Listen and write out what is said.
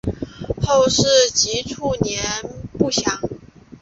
后事及卒年不详。